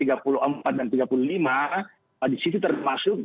di situ termasuk bagaimana strategi melakukan ini